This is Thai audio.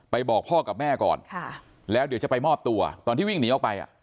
บอกพ่อกับแม่ก่อนแล้วเดี๋ยวจะไปมอบตัวตอนที่วิ่งหนีออกไป